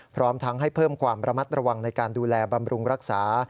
พร้อมทั้งให้เพิ่มความระมัดระวังในการดูแลบำรุงรักษา